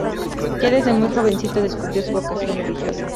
Ya desde muy jovencito descubrió su vocación religiosa.